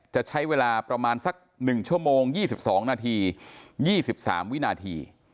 จะใช้เวลาประมาณสัก๑ชั่วโมง๒๒นาที๒๓วินาที